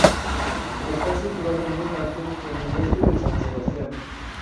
Está situado en un alto en el este de San Sebastián.